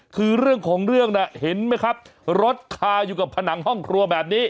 คือเรื่องของเรื่องน่ะเห็นไหมครับรถคาอยู่กับผนังห้องครัวแบบนี้